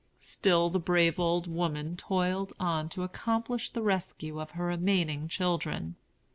Still the brave old woman toiled on to accomplish the rescue of her remaining children.